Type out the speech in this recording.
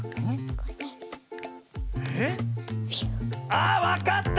あわかった！